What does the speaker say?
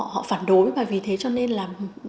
họ phản đối và vì thế cho nên là